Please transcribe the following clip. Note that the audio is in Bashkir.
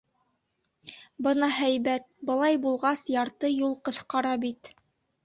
Бына һәйбәт, былай булғас, ярты юл ҡыҫҡара бит.